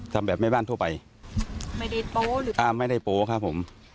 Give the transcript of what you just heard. ทำแบบไม่บ้านทั่วไปไม่ได้โป๊ะครับผม